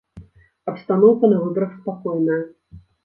Абстаноўка на выбарах спакойная.